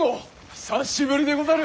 久しぶりでござる。